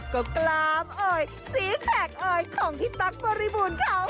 ก็กลามเอ่ยสีแขกเอ่ยของพี่ตั๊กบริบูรณ์เขา